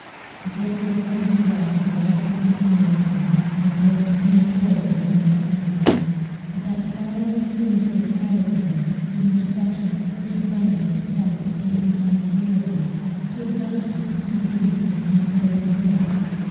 The great river of her love widened into an ocean, and embraced a new shore with its mighty tide; but that far away source of childhood, from which affection first sprang in its soft infantine purity, still gushed in crystal beauty from its unsullied spring.